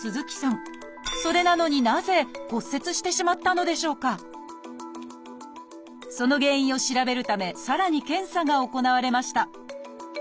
それなのにその原因を調べるためさらに検査が行われました。